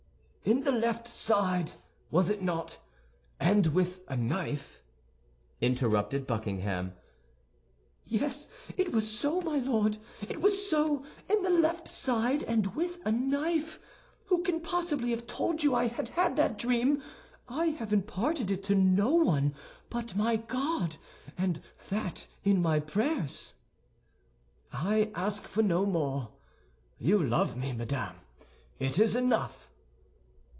"In the left side, was it not, and with a knife?" interrupted Buckingham. "Yes, it was so, my Lord, it was so—in the left side, and with a knife. Who can possibly have told you I had had that dream? I have imparted it to no one but my God, and that in my prayers." "I ask for no more. You love me, madame; it is enough."